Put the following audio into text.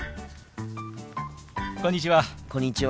こんにちは。